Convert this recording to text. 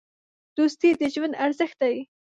دوستي د ژوند ارزښت دی.